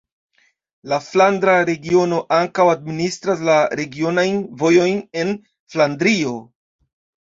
La Flandra Regiono ankaŭ administras la regionajn vojojn en Flandrio.